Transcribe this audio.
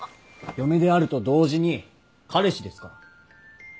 嫁であると同時に彼氏ですから。